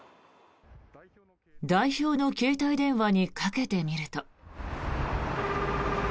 代表の携帯電話にかけてみると。